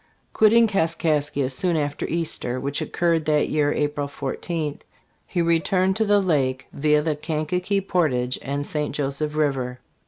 * Quitting Kaskaskia soon after Easter, which occurred that year April 14, he returned to the Lake via the Kankakee portage and St. Joseph river.